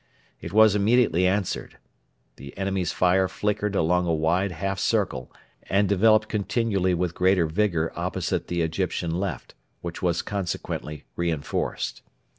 It was immediately answered. The enemy's fire flickered along a wide half circle and developed continually with greater vigour opposite the Egyptian left, which was consequently reinforced.